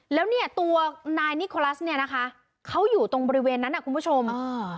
แล้วเนี่ยตัวนายนิโคลัสเนี่ยนะคะเขาอยู่ตรงบริเวณนั้นอ่ะคุณผู้ชมอ่า